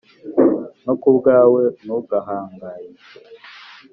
no kubwawe ntugahangayike."